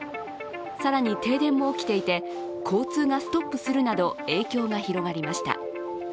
更に停電も起きていて、交通がストップするなど影響が広がりました。